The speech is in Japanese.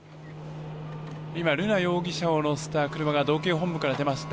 瑠奈容疑者を乗せた車が道警本部から出ました。